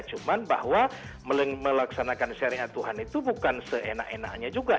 cuma bahwa melaksanakan syariat tuhan itu bukan seenak enaknya juga